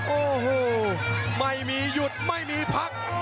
โอ้โหไม่มีหยุดไม่มีพัก